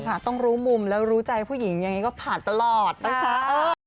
ต้องรู้มุมแล้วรู้ใจผู้หญิงอย่างนี้ก็ผ่านตลอดนะคะ